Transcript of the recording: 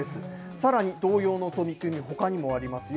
さらに同様の取り組み、ほかにもありますよ。